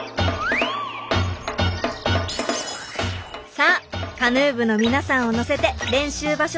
さあカヌー部の皆さんを乗せて練習場所の湖まで！